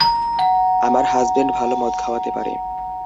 আমার হাজবেন্ড ভালো মদ খাওয়াতে পারে।